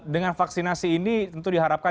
dengan vaksinasi ini tentu diharapkan